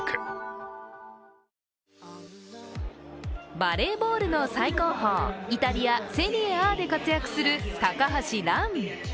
バレーボールの最高峰、イタリア・セリエＡで活躍する高橋藍。